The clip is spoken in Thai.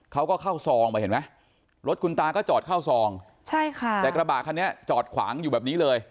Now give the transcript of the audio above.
เขาก็เข้าซองไปเห็นไหมรถคุณตาก็จอดเข้าซองใช่ค่ะแต่กระบะคันนี้จอดขวางอยู่แบบนี้เลย